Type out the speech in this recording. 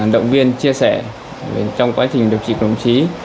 động viên chia sẻ trong quá trình điều trị của đồng chí